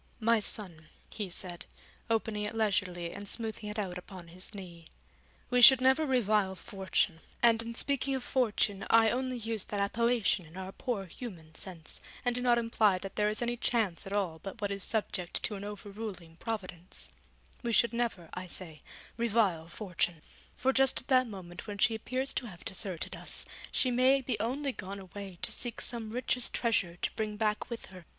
'My son,' he said, opening it leisurely and smoothing it out upon his knee, 'we should never revile Fortune, and in speaking of Fortune I only use that appellation in our poor human sense, and do not imply that there is any Chance at all but what is subject to an over ruling Providence; we should never, I say, revile Fortune, for just at that moment when she appears to have deserted us, she may be only gone away to seek some richest treasure to bring back with her.